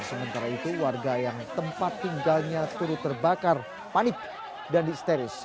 sementara itu warga yang tempat tinggalnya turut terbakar panik dan disteris